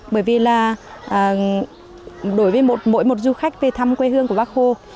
bởi vì là đối với mỗi một du khách về thăm quê hương của bác hồ